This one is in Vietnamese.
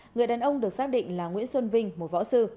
người đàn ông được xác định là nguyễn xuân vinh một võ sư